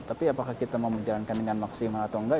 tapi apakah kita mau menjalankan dengan maksimal atau enggak